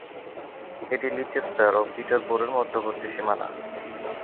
এটি লিচেস্টার ও পিটারবোরোর মধ্যবর্তী সীমানা।